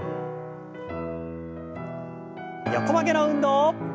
横曲げの運動。